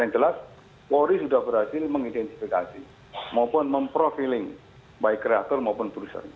yang jelas polri sudah berhasil mengidentifikasi maupun memprofiling baik kreator maupun perusahaan